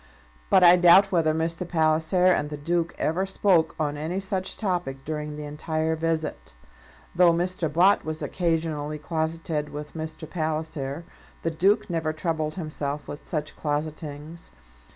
But I doubt whether Mr. Palliser and the Duke ever spoke on any such topic during the entire visit. Though Mr. Bott was occasionally closeted with Mr. Palliser, the Duke never troubled himself with such closetings.